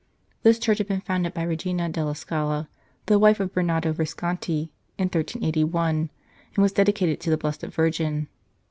This church had been founded by Regina della Scala, the wife of Bernabo Visconti, in 1381, and was dedicated to the Blessed Virgin.